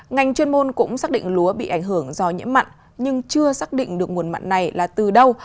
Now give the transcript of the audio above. ngành chuyên môn cũng xác định lúa bị ảnh hưởng do nhiễm mặn nhưng chưa xác định được nguồn mặn này là từ đâu